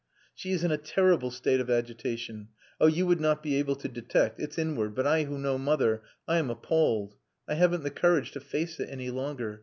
"She is in a terrible state of agitation. Oh, you would not be able to detect.... It's inward, but I who know mother, I am appalled. I haven't the courage to face it any longer.